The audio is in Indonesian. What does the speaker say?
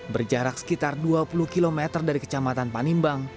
berjarak sekitar dua puluh km dari kecamatan panimbang